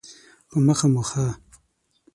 په مخه مو ښه